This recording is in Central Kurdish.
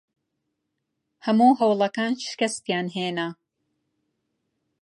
هەموو هەوڵەکان شکستیان هێنا.